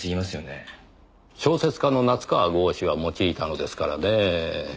小説家の夏河郷士が用いたのですからねぇ。